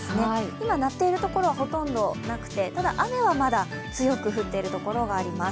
今、鳴っているところはほとんどなくてただ、雨はまだ強く降っているところがあります。